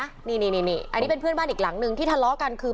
อันนี้เป็นเพื่อนบ้านอีกหลังนึงที่ทะเลาะกันคือ